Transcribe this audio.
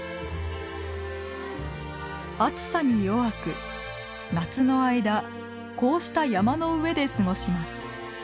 暑さに弱く夏の間こうした山の上で過ごします。